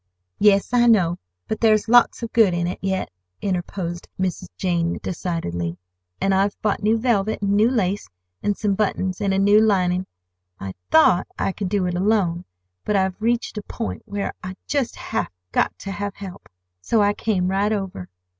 "Yes, I know; but there's lots of good in it yet," interposed Mrs. Jane decidedly; "and I've bought new velvet and new lace, and some buttons and a new lining. I thought I could do it alone, but I've reached a point where I just have got to have help. So I came right over."